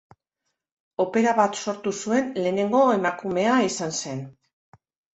Opera bat sortu zuen lehenengo emakumea izan zen.